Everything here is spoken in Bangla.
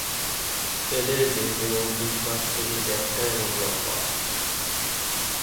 এদের দেহ দুই পাশ থেকে চ্যাপ্টা এবং লম্বা।